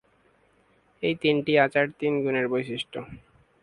এই তিনটি আচার তিন গুণের বৈশিষ্ট্য।